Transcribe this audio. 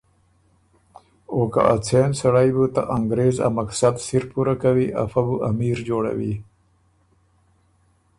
او که اڅېن سړئ بُو ته انګرېز ا مقصد سِر پُوره کوی افۀ بو امیر جوړ کوی۔